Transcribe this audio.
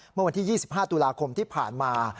เมื่อวันที่๒๕ตุลาคมที่ผ่านมา